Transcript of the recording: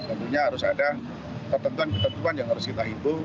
tentunya harus ada ketentuan ketentuan yang harus kita hitung